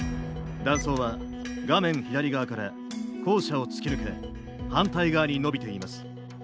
断層は画面左側から校舎を突き抜け反対側にのびています。